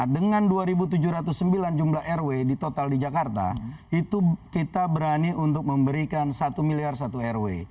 dengan dua tujuh ratus sembilan jumlah rw di total di jakarta itu kita berani untuk memberikan satu miliar satu rw